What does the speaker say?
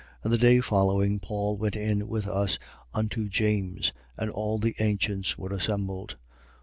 21:18. And the day following, Paul went in with us unto James: and all the ancients were assembled.